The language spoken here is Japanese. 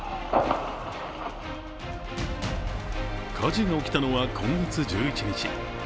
火事が起きたのは今月１１日。